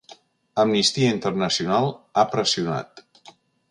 Amnistia Internacional ha pressionat.